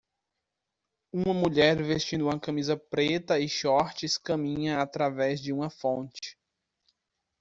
Uma mulher vestindo uma camisa preta e shorts caminha através de uma fonte.